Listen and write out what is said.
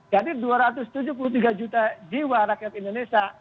jadi dua ratus tujuh puluh tiga juta jiwa rakyat indonesia